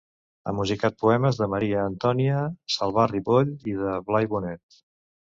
Ha musicat poemes de Maria Antònia Salvà Ripoll i de Blai Bonet.